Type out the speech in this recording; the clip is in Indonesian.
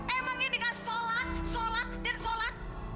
emangnya dengan sholat sholat dan sholat